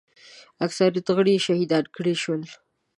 اکثریت غړي یې شهیدان کړای شول.